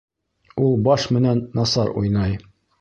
Ул баш менән насар уйнай